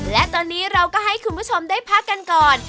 และตอนนี้เราก็ให้คุณผู้ชมได้พักกันก่อน